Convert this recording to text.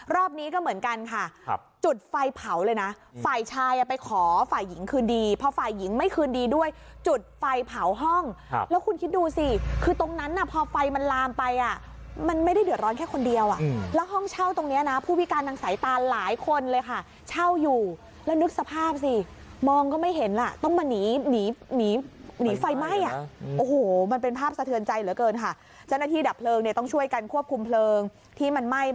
รอบนี้ก็เหมือนกันค่ะจุดไฟเผาเลยนะไฟชายไปขอไฟหญิงคืนดีพอไฟหญิงไม่คืนดีด้วยจุดไฟเผาห้องแล้วคุณคิดดูสิคือตรงนั้นน่ะพอไฟมันลามไปอ่ะมันไม่ได้เดือดร้อนแค่คนเดียวอ่ะแล้วห้องเช่าตรงนี้นะผู้พิการทางสายตานหลายคนเลยค่ะเช่าอยู่แล้วนึกสภาพสิมองก็ไม่เห็นล่ะต้องมาหนีไฟไหม